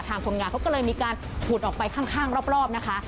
คนงานเขาก็เลยมีการขุดออกไปข้างรอบนะคะ